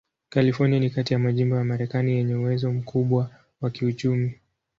California ni kati ya majimbo ya Marekani yenye uwezo mkubwa wa kiuchumi.